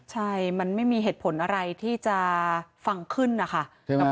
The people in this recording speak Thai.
ใช่มันไม่มีเหตุผลอะไรที่จะฟังขึ้นนะคะ